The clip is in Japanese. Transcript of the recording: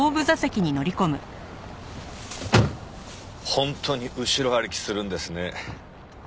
本当に後ろ歩きするんですね。